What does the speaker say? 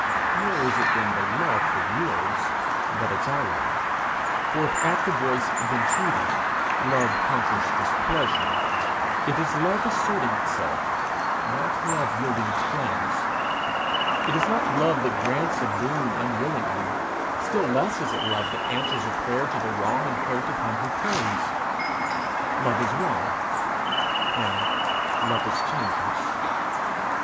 Nor is it then the love that yields, but its alloy. For if at the voice of entreaty love conquers displeasure, it is love asserting itself, not love yielding its claims. It is not love that grants a boon unwillingly; still less is it love that answers a prayer to the wrong and hurt of him who prays. Love is one, and love is changeless.